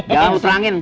gak perlu terangin